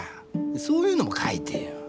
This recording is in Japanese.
そういうのも書いてよ。